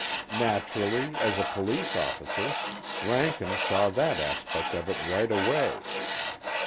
Naturally as a police officer, Rankin saw that aspect of it right away.